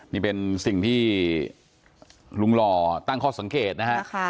นี่เป็นสิ่งที่ลุงหล่อตั้งข้อสังเกตนะฮะ